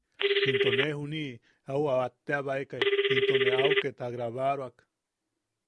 Into ne juni’i au a ta’abaekai into ne au ket a grabaroak.